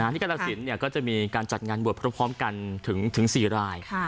ที่กรศิลป์ก็จะมีการจัดงานบวชพร้อมกันถึงสี่ราย